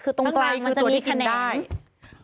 แบบด้างหน้าเป็นแขนาง